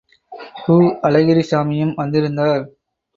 கு. அழகிரிசாமியும் வந்திருந்தார்.